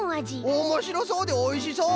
おもしろそうでおいしそう！